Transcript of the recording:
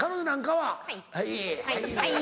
はい。